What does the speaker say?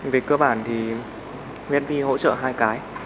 về cơ bản thì ngnv hỗ trợ hai cái